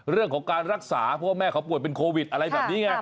เรื่องของการรักษาเพราะว่าแม่เขาป่วยเป็นโควิดอะไรแบบนี้ไง